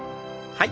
はい。